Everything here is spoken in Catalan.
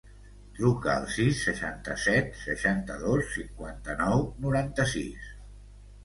Truca al sis, seixanta-set, seixanta-dos, cinquanta-nou, noranta-sis.